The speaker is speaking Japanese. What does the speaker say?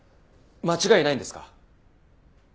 間違いないんですか？